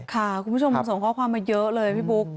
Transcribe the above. คุณผู้ชมส่งข้อความมาเยอะเลยพี่บุ๊ค